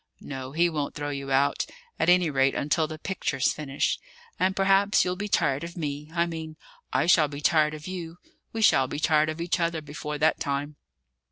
No, he won't throw you out, at any rate until the picture's finished. And perhaps you'll be tired of me I mean, I shall be tired of you we shall be tired of each other, before that time."